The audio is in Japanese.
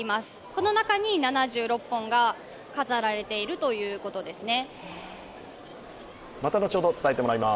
この中に７６本が飾られているということですね。